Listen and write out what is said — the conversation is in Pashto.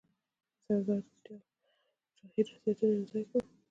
سردار پټیل شاهي ریاستونه یوځای کړل.